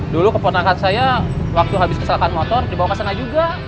dulu keponakan saya waktu habis kecelakaan motor dibawa ke sana juga